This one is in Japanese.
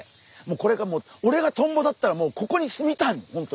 もうこれオレがトンボだったらもうここに住みたいもん